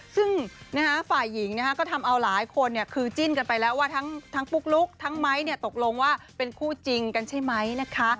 ซึ่งฝ่ายหญิงก็ทำเอาหลายคนคือจิ้นกันไปแล้วว่าทั้งปุ๊กลุ๊กทั้งไม้ตกลงว่าเป็นคู่จริงกันใช่ไหมนะคะ